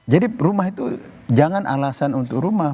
jadi rumah itu jangan alasan untuk rumah